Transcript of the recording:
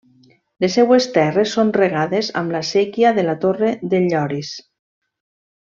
Les seues terres són regades amb la séquia de la Torre d’en Lloris.